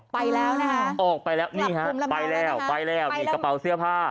ไปแล้วนะครับหลักคุมละแมวแล้วนะครับไปแล้วมีกระเป๋าเสื้อผ้า